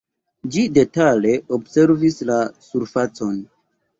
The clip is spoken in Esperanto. Ĝi detale observis la surfacon.